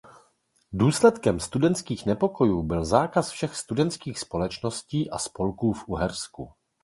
Důsledkem studentských nepokojů byl zákaz všech studentských společností a spolků v Uhersku.